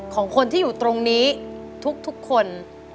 ของคนที่อยู่ตรงนี้ทุกคน